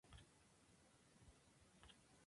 Voy a reconocer esa responsabilidad".